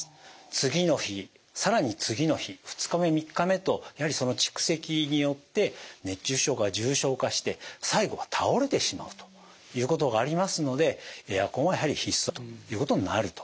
次の日更に次の日２日目３日目とやはりその蓄積によって熱中症が重症化して最後は倒れてしまうということがありますのでエアコンはやはり必須だということになると思います。